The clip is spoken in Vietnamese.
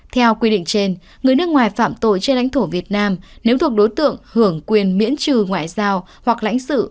theo quy định trên người nước ngoài phạm tội trên lãnh thổ việt nam nếu thuộc đối tượng hưởng quyền miễn trừ ngoại giao hoặc lãnh sự